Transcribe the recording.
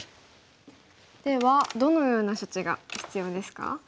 ではどのような処置が必要ですか？